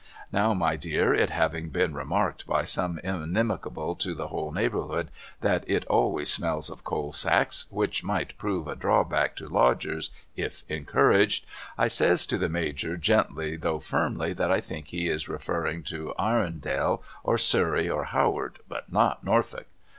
Now my dear it having been remarked by some inimical to the whole neighbourhood that it always smells of coal sacks which might prove a drawback to Lodgers if encouraged, I says to the Major gently though firmly that I think he is referring to Arundel or Surrey or Howard but not Norfolk.